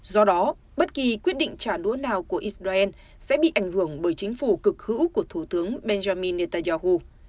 do đó bất kỳ quyết định trả đũa nào của israel sẽ bị ảnh hưởng bởi chính phủ cực hữu của thủ tướng benjamin netanyahu